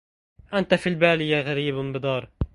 أنت في البال يا غريبا بدار